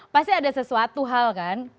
pasti ada sesuatu hal kan